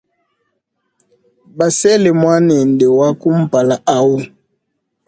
Basele muanende wa kumpala awu.